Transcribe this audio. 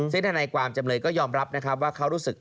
ซึ่งธนายความจำเลยก็ยอมรับนะครับว่าเขารู้สึก